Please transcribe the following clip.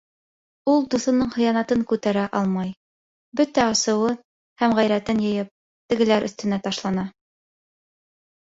Ул, дуҫының хыянатын күтәрә алмай, бөтә асыуын һәм ғәйрәтен йыйып, тегеләр өҫтөнә ташлана.